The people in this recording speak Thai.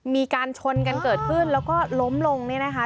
มีการชนกันเกิดขึ้นแล้วก็ล้มลงเนี่ยนะคะ